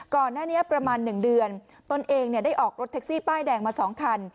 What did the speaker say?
ก่อนนั้นเนี้ยประมาณหนึ่งเดือนตนเองเนี้ยได้ออกรถแท็กซี่ป้ายแดงมาสองคัน